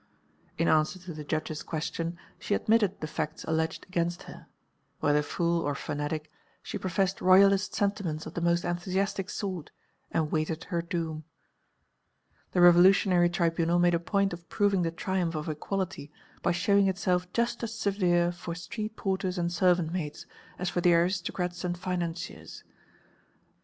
In answer to the Judge's question she admitted the facts alleged against her; whether fool or fanatic, she professed Royalist sentiments of the most enthusiastic sort and waited her doom. The Revolutionary Tribunal made a point of proving the triumph of Equality by showing itself just as severe for street porters and servant maids as for the aristocrats and financiers.